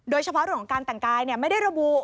โดยเฉพาะเรื่องของการแต่งกายไม่ได้ระบุ